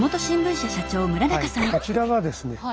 はいこちらがですね